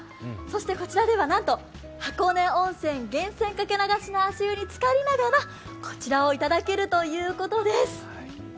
こちらではなんと箱根温泉源泉掛け流しの足湯につかりながらこちらをいただけるということです。